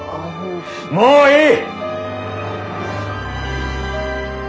もういい！